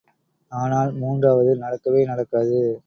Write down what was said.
ஆனால் மூன்றாவது நடக்கவே நடக்காது.